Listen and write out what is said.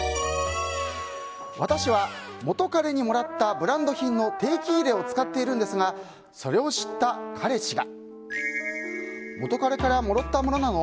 私は元カレにもらったブランド品の定期入れを使っているんですがそれを知った彼氏が元カレからもらったものなの？